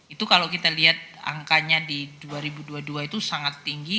itu kalau kita lihat angkanya di dua ribu dua puluh dua itu sangat tinggi